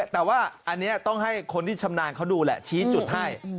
แต่ว่าอันนี้ต้องให้คนที่ชำนาญเขาดูแหละชี้จุดให้